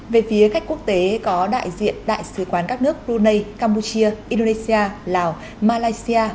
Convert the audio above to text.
về phía khách quốc tế có đại diện đại sứ quán các nước brunei campuchia indonesia lào malaysia